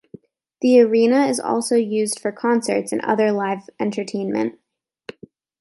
The arena is also used for concerts and other live entertainment.